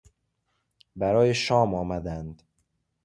برای شام آمدند.